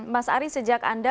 mas ari sejak anda